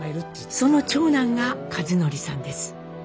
その長男が和則さんです。